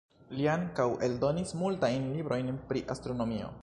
Li ankaŭ eldonis multajn librojn pri astronomio.